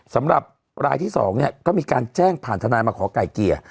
สำหรับรายที่๒เนี่ยก็มีการแจ้งผ่านทนายมาขอไก่เกลี่ย